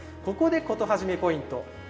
ここで「コトはじめポイント」。